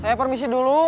saya permisi dulu